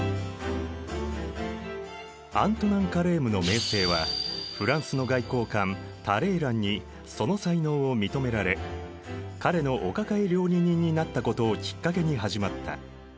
アントナン・カレームの名声はフランスの外交官タレーランにその才能を認められ彼のお抱え料理人になったことをきっかけに始まった。